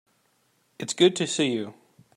It's good to see you.